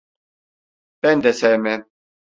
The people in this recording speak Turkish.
Ben de sevmem.